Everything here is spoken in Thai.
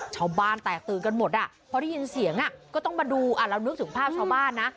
ชาวบ้านแตกตื่นกันหมดอ่ะพอได้ยินเสียงก็ต้องมาดูเรานึกถึงภาพชาวบ้านนะ